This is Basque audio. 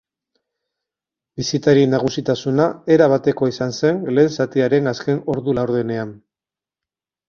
Bisitarien nagusitasuna erabatekoa izan zen lehen zatiaren azken ordu laurdenean.